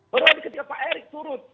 baru lagi ketika pak erick turut